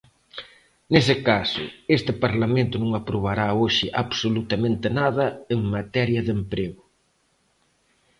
Nese caso, este Parlamento non aprobará hoxe absolutamente nada en materia de emprego.